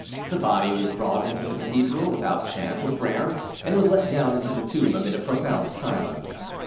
The body was brought into the cathedral, without chant or prayer, and was let down into the tomb amid a profound silence.